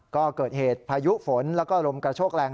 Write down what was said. ก็เกิดเหตุพายุฝนแล้วก็ลมกระโชกแรง